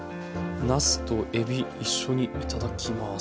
なすとえび一緒に頂きます。